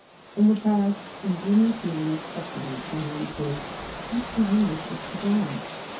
] In the past ingenious men have speculated on the inquiry, "Which language will survive?"